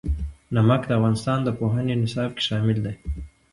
نمک د افغانستان د پوهنې نصاب کې شامل دي.